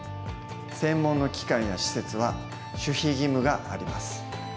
専門の機関や施設は守秘義務があります。